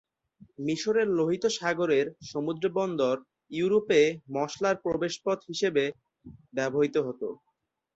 মিশরের লোহিত সাগরের সমুদ্রবন্দর ইউরোপে মশলার প্রবেশপথ হিসেবে ব্যবহৃত হতো।